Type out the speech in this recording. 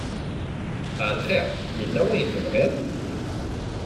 A lxir yella wayen tebɣiḍ?